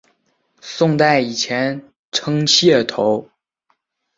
宋代以前称解头。